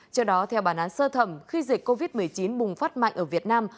trước đó theo bản án sơ thẩm khi dịch covid một mươi chín bùng phát mạnh ở việt nam